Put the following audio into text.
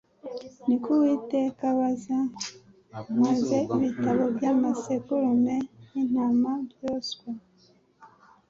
Niko Uwiteka abaza. Mpaze ibitambo by'amasekurume y'intama byoswa